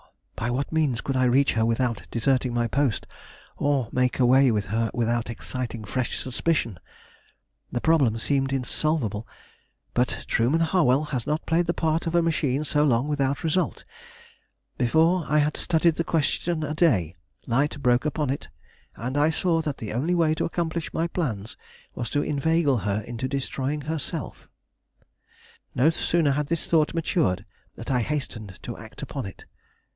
By what means could I reach her without deserting my post, or make away with her without exciting fresh suspicion? The problem seemed insolvable; but Trueman Harwell had not played the part of a machine so long without result. Before I had studied the question a day, light broke upon it, and I saw that the only way to accomplish my plans was to inveigle her into destroying herself. No sooner had this thought matured than I hastened to act upon it.